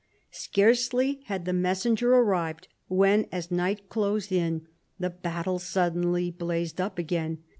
Scarcely had the messenger started, when, as night closed in, the battle suddenly blazed up again.